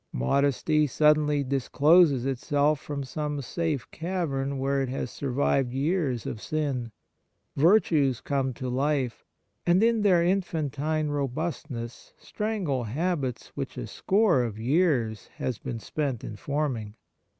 Modesty suddenly dis closes itself from some safe cavern where it has survived years of sin. Virtues come to life, and in their infantine robust ness strangle habits which a score of years has been spent in forming.